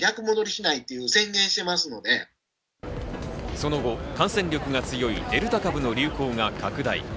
その後、感染力が強いデルタ株の流行が拡大。